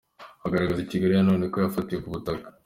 Agaragaza Kigali ya none yo yafatiwe ku butaka.